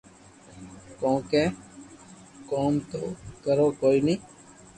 ڪونڪہ ڪوم تو ڪرو ڪوئي ني